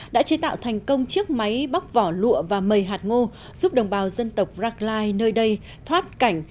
đã chế tạo thành công chiếc máy bóc vỏ lụa và mầy hạt ngô giúp đồng bào dân tộc rackline nơi đây thoát cảnh